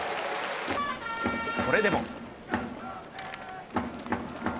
それでも。